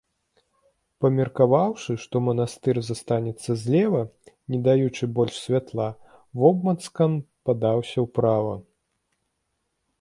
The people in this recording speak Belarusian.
Памеркаваўшы, што манастыр застанецца злева, не даючы больш святла, вобмацкам падаўся ўправа.